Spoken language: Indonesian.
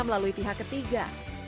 melalui pihak ketiga